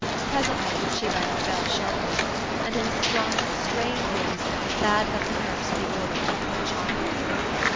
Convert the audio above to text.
Presently she rang the bell sharply, and in a strung, strained voice bade that the nurse be ordered to bring the child.